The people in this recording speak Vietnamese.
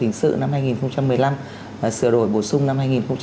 đối với luật hình sự năm hai nghìn một mươi năm và sửa đổi bổ sung năm hai nghìn một mươi bảy